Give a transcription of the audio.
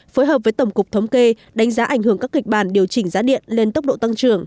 phối hợp với tổng cục thống kê đánh giá ảnh hưởng các kịch bản điều chỉnh giá điện lên tốc độ tăng trưởng